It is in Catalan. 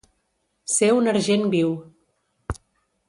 Ser un argent viu.